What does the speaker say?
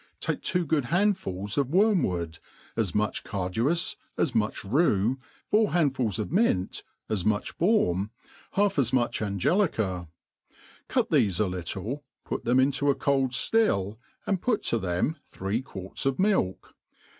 TAKE two good handfuls of wojrmwood, as hiuch carduus^ as much rue, four handfuls of mint, ^s fnuch baum, half as much angelica; cut thefe a little, put them into a cold ftill, and put to them three quarts of milk.